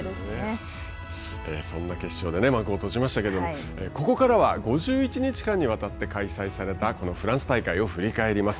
そんな決勝で幕を閉じましたけれども、ここからは５１日間にわたって開催されたこのフランス大会を振り返ります。